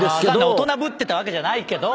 大人ぶってたわけじゃないけど。